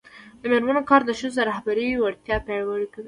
د میرمنو کار د ښځو رهبري وړتیا پیاوړې کوي.